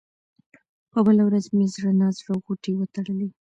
په بله ورځ مې زړه نا زړه غوټې وتړلې.